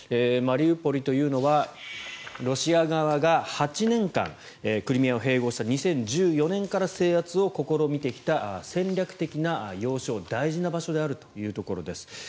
マリウポリというのはロシア側が８年間クリミアを併合した２０１４年から制圧を試みてきた戦略的な要衝大事な場所であるというところです。